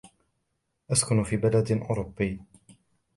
أسكن في بلد أوروبي.